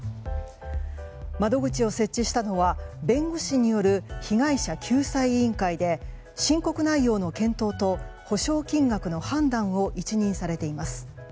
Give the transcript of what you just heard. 窓口を設置したのは弁護士による被害者救済委員会で申告内容の検討と補償金額の判断を一任されています。